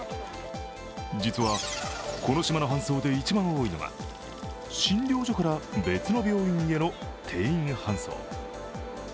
実は、この島の搬送で一番多いのが診療所から別の病院への転院搬送。